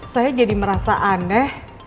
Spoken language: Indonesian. saya jadi merasa aneh